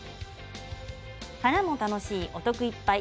花も楽しいお得いっぱい